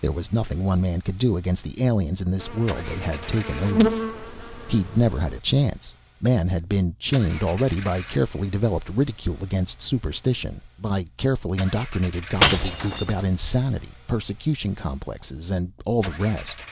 There was nothing one man could do against the aliens in this world they had taken over. He'd never had a chance. Man had been chained already by carefully developed ridicule against superstition, by carefully indoctrinated gobbledegook about insanity, persecution complexes, and all the rest.